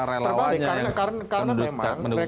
relawanya yang mendukung